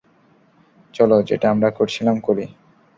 চলো, যেটা আমরা করছিলাম, করি!